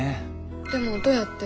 でもどうやって？